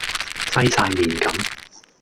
西哂面咁